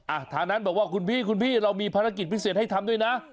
ทางนั้นบอกว่าคุณพี่คุณพี่เรามีภารกิจพิเศษให้ทำด้วยนะ